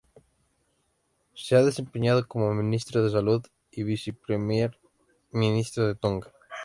Se ha desempeñado como Ministro de Salud y Viceprimer Ministro de Tonga.